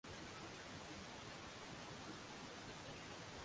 na utamaduni wao Waturuki walifukuza Wazungu kutoka Tripoli wakatawala